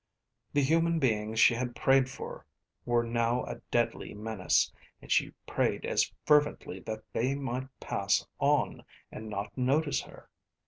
The human beings she had prayed for were now a deadly menace, and she prayed as fervently that they might pass on and not notice her.